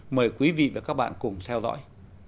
mời quý vị và các bạn cùng theo dõi